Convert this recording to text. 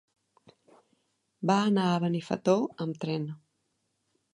Va anar a Benifato amb tren.